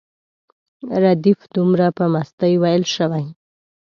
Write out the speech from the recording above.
ردیف دومره په مستۍ ویل شوی.